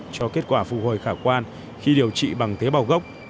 cho kết quả phục hồi khả quan khi điều trị bằng tế bào gốc